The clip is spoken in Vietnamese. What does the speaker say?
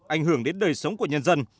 ảnh hưởng đến đời sống của nhân dân